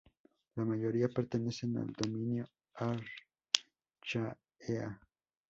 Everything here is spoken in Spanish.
La mayoría pertenecen al dominio Archaea.